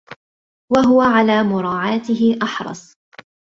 وَهُوَ عَلَى مُرَاعَاتِهِ أَحْرَصُ